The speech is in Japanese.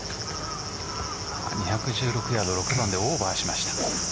２１６ヤード６番でオーバーしました。